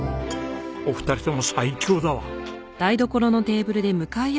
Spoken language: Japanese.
お二人とも最強だわ。